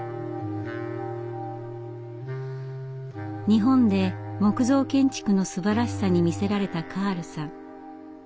日本で木造建築のすばらしさに魅せられたカールさん。